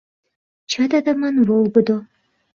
Чытыдымын волгыдо!